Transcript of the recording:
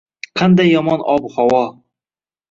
Qanday yomon ob-havo!